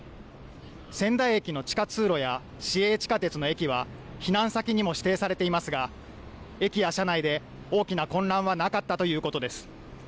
仙台駅の地下通路や市営地下鉄の駅は避難先にも指定されていますが、駅や車内で大きな混乱はなかったということです。